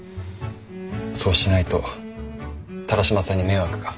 そうしないと田良島さんに迷惑が。